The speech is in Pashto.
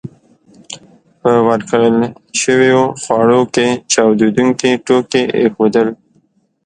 په ورکړل شويو خوړو کې چاودېدونکي توکي ایښودل